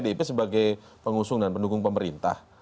jadi ini pdip sebagai pengusung dan pendukung pemerintah